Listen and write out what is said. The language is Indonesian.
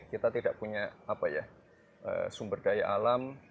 kita tidak punya sumber daya alam